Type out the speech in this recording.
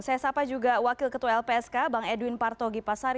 saya sapa juga wakil ketua lpsk bang edwin partogi pasari